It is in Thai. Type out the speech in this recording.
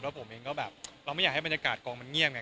ผมเองก็แบบเราไม่อยากให้บรรยากาศกองมันเงียบไง